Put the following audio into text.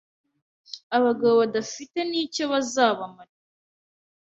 abagabo badafite n’icyo bazabamarira